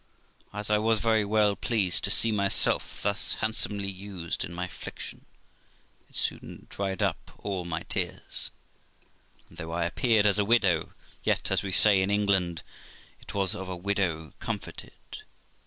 As J was very well pleased to see myself thus handsomely used in my affliction, it soon dried up all my tears ; and though I appeared as a widow, yet, as we say in England, it was of a widow comforted.